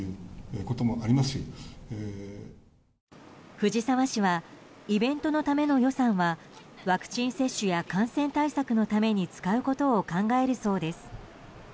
藤沢市はイベントのための予算はワクチン接種や感染対策のために使うことを考えるそうです。